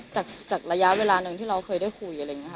จากระยะเวลาหนึ่งที่เราเคยได้คุย